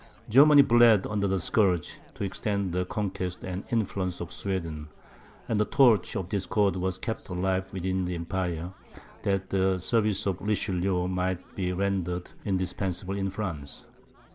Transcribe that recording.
Germany bled under the scourge, to extend the conquests and influence of Sweden; and the torch of discord was kept alive within the Empire, that the services of Richelieu might be rendered indispensable in France.